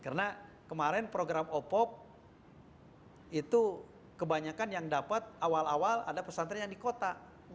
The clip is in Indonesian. karena kemarin program opop itu kebanyakan yang dapat awal awal ada pesantren yang di kota